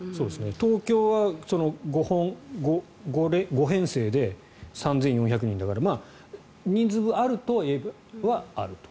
東京は５編成で３４００人だから人数分、あるはあると。